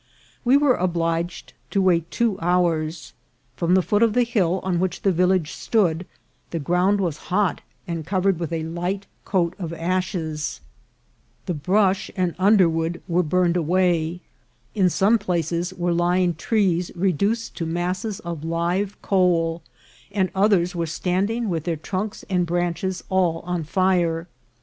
We were obliged to wait two hours. From the foot of the hill on which the village stood the ground was hot and covered with a light coat of ashes ; the brush and underwood were burned away ; in some places were lying trees reduced to masses of live coal, and others were standing with their trunks and branches all on fire.